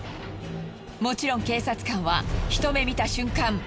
もちろん警察官はひと目見た瞬間